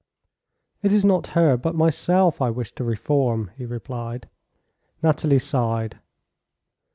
"It is not her but myself I wish to reform," he replied. Nathalie sighed.